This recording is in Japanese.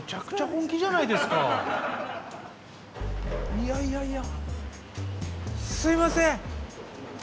いやいやいやすいません！